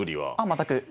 全く。